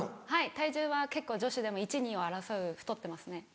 はい体重は結構女子でも１・２を争う太ってますね。